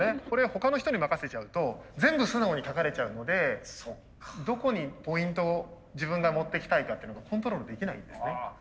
これ他の人に任せちゃうと全部素直に書かれちゃうのでどこにポイントを自分がもっていきたいかっていうのがコントロールできないんですね。